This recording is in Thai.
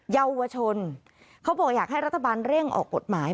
เยาวชนเขาบอกอยากให้รัฐบาลเร่งออกกฎหมาย